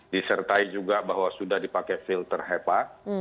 disertai juga bahwa sudah dipakai filter hepa